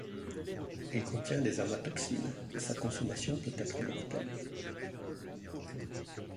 Il contient des amatoxines et sa consommation peut être mortelle.